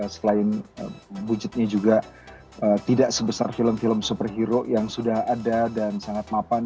selain budgetnya juga tidak sebesar film film superhero yang sudah ada dan sangat mapan